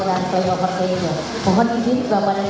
dan saya akan berikan temanan